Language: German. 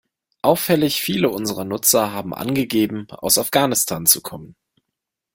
Auffällig viele unserer Nutzer haben angegeben, aus Afghanistan zu kommen.